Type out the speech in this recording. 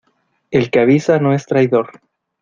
El que avisa no es traidor.